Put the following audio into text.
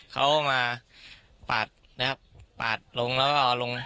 เขามาปาดนะครับปาดลงแล้วก็เอาลง